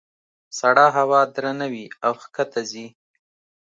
سړه هوا درنه وي او ښکته ځي.